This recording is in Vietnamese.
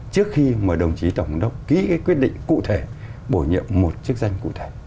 trước khi mà đồng chí tổng đốc ký cái quyết định cụ thể bổ nhiệm một chức danh cụ thể